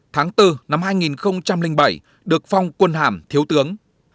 tháng bốn năm hai nghìn bảy được phong quân hàm thiếu tướng